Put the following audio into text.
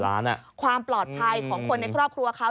ความปลอดภัยของคนในครอบครัวเขา